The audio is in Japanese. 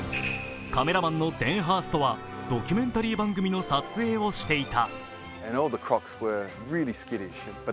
カメラマンのデーンハーストはドキュメンタリー番組の撮影をしていた。